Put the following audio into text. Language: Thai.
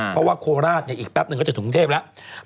เพราะว่าโคราชอีกแป๊บนึงก็จะถึงกรุงเทพแล้ว